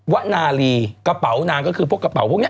วนาลีกระเป๋านางก็คือพวกกระเป๋าพวกนี้